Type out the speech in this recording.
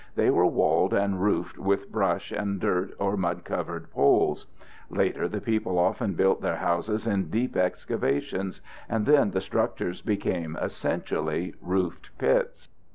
They were walled and roofed with brush and dirt or mud covered poles. Later the people often built their houses in deep excavations, and then the structures became essentially roofed pits.